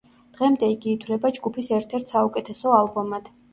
დღემდე იგი ითვლება ჯგუფის ერთ-ერთ საუკეთესო ალბომად.